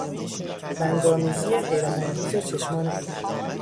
رنگ آمیزی حیرت انگیز چشمان او